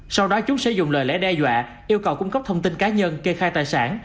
sau đó chúng sẽ dùng lời lẽ đe dọa yêu cầu cung cấp thông tin cá nhân kê khai tài sản